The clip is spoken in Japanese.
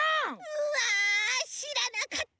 うわしらなかった！